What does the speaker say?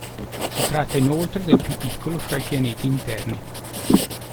Si tratta inoltre del più piccolo fra i pianeti interni.